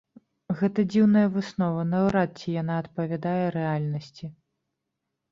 Гэта дзіўная выснова, наўрад ці яна адпавядае рэальнасці.